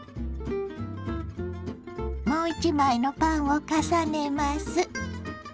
もう一枚のパンを重ねます。